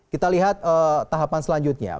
kita lihat tahapan selanjutnya